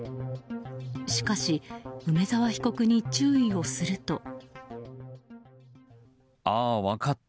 しかし、梅沢被告に注意をすると。